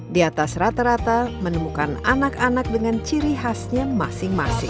di atas rata rata menemukan anak anak dengan ciri khasnya masing masing